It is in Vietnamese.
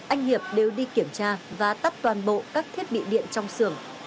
anh hiệp đều đi kiểm tra và tắt toàn bộ các thiết bị điện trong xưởng